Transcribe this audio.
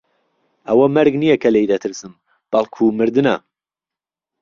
ئەوە مەرگ نییە کە لێی دەترسم، بەڵکوو مردنە.